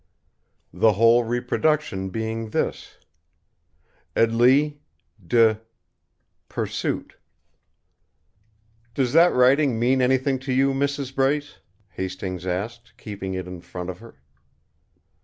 the whole reproduction being this: edly de Pursuit! "Does that writing mean anything to you, Mrs. Brace?" Hastings asked, keeping it in front of her.